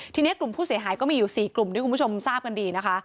ทีนี้กลุ่มผู้เสียหายก็มีอยู่๔กลุ่มที่คุณผู้ชมทราบกันดีนะคะ